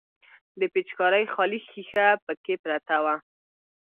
د پيچکارۍ خالي ښيښه پکښې پرته وه.